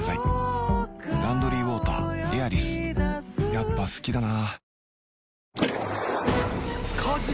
やっぱ好きだな